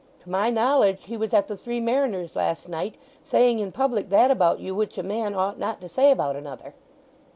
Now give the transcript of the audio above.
To my knowledge he was at the Three Mariners last night, saying in public that about you which a man ought not to say about another."